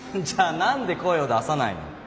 じゃあ何で声を出さないの？